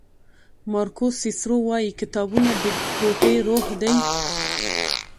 مارکوس سیسرو وایي کتابونه د کوټې روح دی.